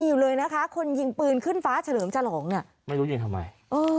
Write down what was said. อยู่เลยนะคะคนยิงปืนขึ้นฟ้าเฉลิมฉลองเนี่ยไม่รู้ยิงทำไมเออ